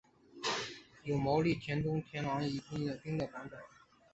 有毛利田庄太郎和伊丹屋茂兵卫的版本。